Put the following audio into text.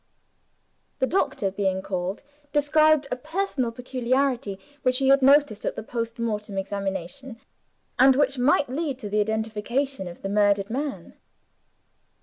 The doctor being called, described a personal peculiarity, which he had noticed at the post mortem examination, and which might lead to the identification of the murdered man.